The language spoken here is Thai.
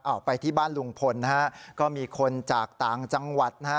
เอาไปที่บ้านลุงพลนะฮะก็มีคนจากต่างจังหวัดนะฮะ